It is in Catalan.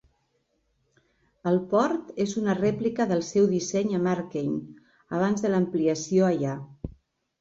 El port és una rèplica del seu disseny a Marken abans de l'ampliació allà.